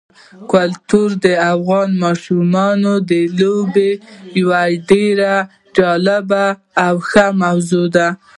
کلتور د افغان ماشومانو د لوبو یوه ډېره جالبه او ښه موضوع ده.